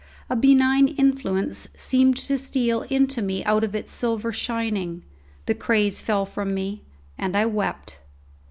A benign influence seemed to steal into me out of its silver shining; the craze fell from me, and I wept.